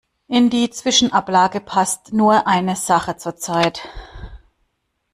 In die Zwischenablage passt nur eine Sache zur Zeit.